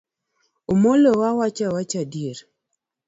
Omolo wa wachi awacha adieri.